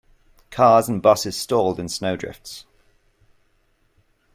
Cars and busses stalled in snow drifts.